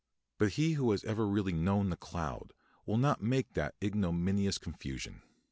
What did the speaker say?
But he who has ever really known the cloud will not make that ignominious confusion.